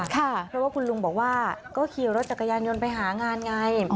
เพราะว่าคุณลุงบอกว่าก็ขี่รถจักรยานยนต์ไปหางานไง